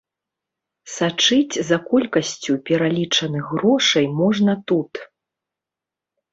Сачыць за колькасцю пералічаных грошай можна тут.